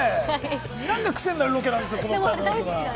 何かクセになるロケなんですよ、この２人は。